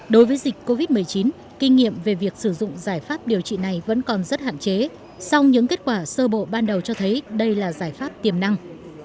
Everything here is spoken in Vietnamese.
đối với dịch covid một mươi chín kinh nghiệm về việc sử dụng giải pháp điều trị này vẫn còn rất hạn chế song những kết quả sơ bộ ban đầu cho thấy đây là giải pháp tiềm năng